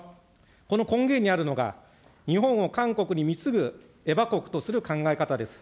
この根源にあるのが、日本を韓国にみつぐエバ国とする考え方です。